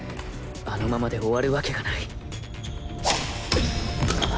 あのままで終わるわけがない